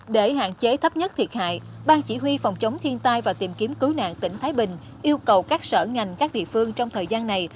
để hạn chế thấp nhất thiệt hại ban chỉ huy phòng chống thiên tai và tìm kiếm cứu nạn tỉnh thái bình yêu cầu các sở ngành các địa phương trong thời gian này